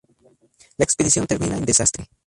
La expedición termina en desastre.